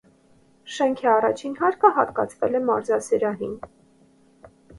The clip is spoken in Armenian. Շենքի առաջին հարկը հատկացվել է մարզասրահին։